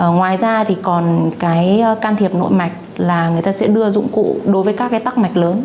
ngoài ra thì còn cái can thiệp nội mạch là người ta sẽ đưa dụng cụ đối với các cái tắc mạch lớn